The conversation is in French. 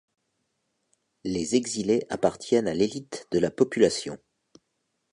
Les exilés appartiennent à l'élite de la population.